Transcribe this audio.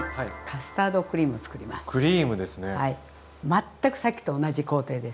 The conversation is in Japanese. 全くさっきと同じ工程です。